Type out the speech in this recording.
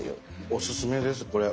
おすすめですこれ。